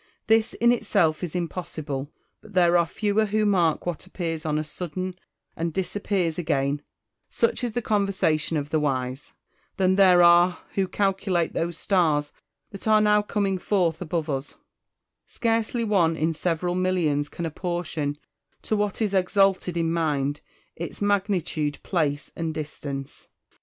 This in itself is impossible ; but there are fewer who mark what appears on a sudden and disappears again (such is the conversation of the wise); than there are who calculate those stars that are now coming forth above us : scarcely one in several millions can apportion, to what is exalted in mind, its magnitude, place, and distance.